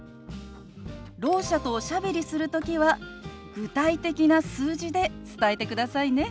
ろう者とおしゃべりする時は具体的な数字で伝えてくださいね。